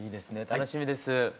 楽しみです。